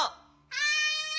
はい！